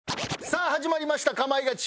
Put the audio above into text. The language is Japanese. さあ始まりました『かまいガチ』。